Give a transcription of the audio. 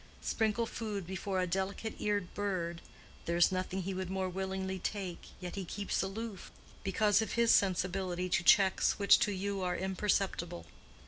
Sprinkle food before a delicate eared bird: there is nothing he would more willingly take, yet he keeps aloof, because of his sensibility to checks which to you are imperceptible.